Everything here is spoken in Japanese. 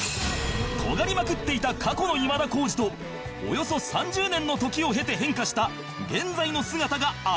とがりまくっていた過去の今田耕司とおよそ３０年の時を経て変化した現在の姿が明らかになる